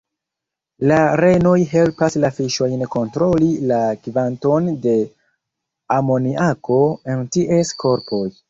La renoj helpas la fiŝojn kontroli la kvanton de amoniako en ties korpoj.